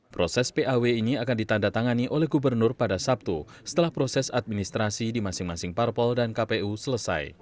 proses paw ini akan ditandatangani oleh gubernur pada sabtu setelah proses administrasi di masing masing parpol dan kpu selesai